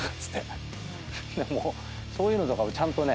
そういうのとかもちゃんとね。